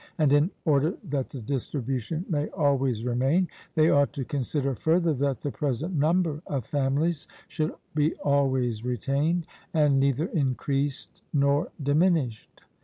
And in order that the distribution may always remain, they ought to consider further that the present number of families should be always retained, and neither increased nor diminished.